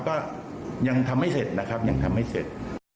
ก็ยังทำไม่เสร็จนะครับยังทำไม่เสร็จ